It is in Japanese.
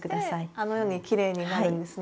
してあのようにきれいになるんですね。